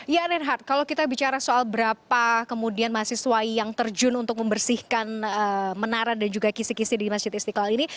ya reinhardt kalau kita bicara soal berapa kemudian mahasiswa yang terjun untuk membersihkan menara dan juga kisi kisi di masjid istiqlal ini